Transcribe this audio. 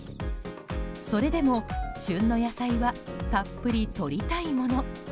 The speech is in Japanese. それでも旬の野菜はたっぷりとりたいもの。